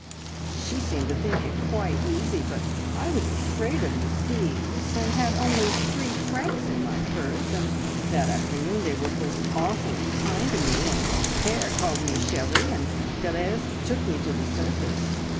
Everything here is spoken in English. "`She seemed to think it quite easy, but I was afraid of the thieves, and had only three francs in my purse; and that afternoon they were both awfully kind to me, and Pere called me cherie, and Therese took me to the circus.